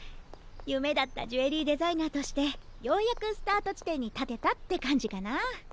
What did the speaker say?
夢だったジュエリーデザイナーとしてようやくスタート地点に立てたって感じかな。